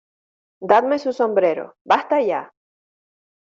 ¡ Dadme su sombrero! ¡ basta ya !